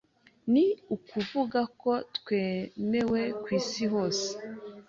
ni ukuvuga ko twemewe ku isi hose